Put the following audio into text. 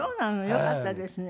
よかったですね。